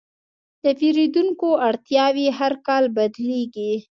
د پیرودونکو اړتیاوې هر کال بدلېږي.